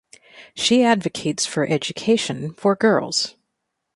She advocates for education for girls.